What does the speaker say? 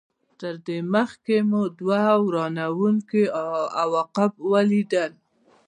تر دې مخکې مو دوه ورانوونکي عواقب ولیدل.